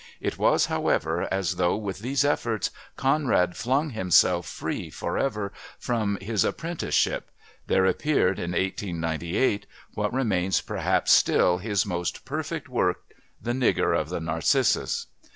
It was, however, as though, with these efforts, Conrad flung himself free, for ever, from his apprenticeship; there appeared in 1898 what remains perhaps still his most perfect work, The Nigger of the Narcissus.